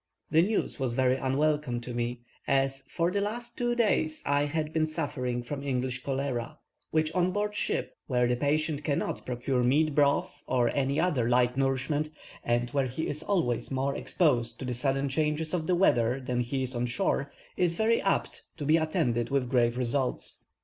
The news was very unwelcome to me, as, for the last two days, I had been suffering from English cholera, which on board ship, where the patient cannot procure meat broth or any other light nourishment, and where he is always more exposed to the sudden changes of the weather than he is on shore, is very apt to be attended with grave results.